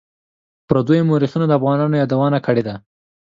پردیو مورخینو د افغانانو یادونه کړې ده.